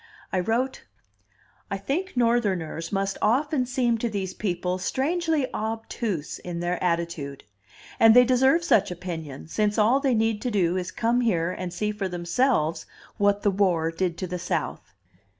I wrote: "I think Northerners must often seem to these people strangely obtuse in their attitude. And they deserve such opinion, since all they need to do is come here and see for themselves what the War did to the South.